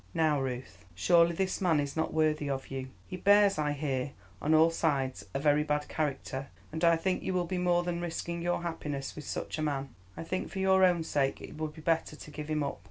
"Now, Ruth, surely this man is not worthy of you. He bears, I hear, on all sides a very bad character, and I think you will be more than risking your happiness with such a man; I think for your own sake it would be better to give him up.